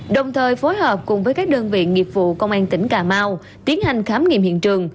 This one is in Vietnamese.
đồng thời phối hợp cùng với các đơn vị nghiệp vụ công an tỉnh cà mau tiến hành khám nghiệm hiện trường